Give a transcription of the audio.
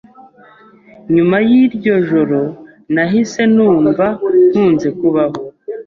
Nyuma y’iryo joro, nahise numva nkunze kubaho